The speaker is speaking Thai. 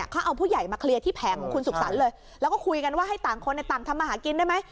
เขาเอาผู้ใหญ่มาเคลียร์ที่แผงของคุณสุขสรรค์เลยแล้วก็คุยกันว่าให้ต่างคนต่างทำมาหากินได้ไหม